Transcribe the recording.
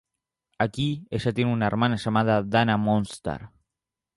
Aquí, ella tiene una hermana llamada Dana Moonstar.